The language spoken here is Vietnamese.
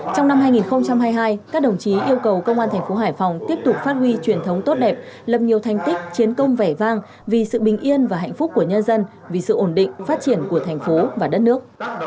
trong năm hai nghìn hai mươi hai các đồng chí yêu cầu công an thành phố hải phòng tiếp tục phát huy truyền thống tốt đẹp lập nhiều thành tích chiến công vẻ vang vì sự bình yên và hạnh phúc của nhân dân vì sự ổn định phát triển của thành phố và đất nước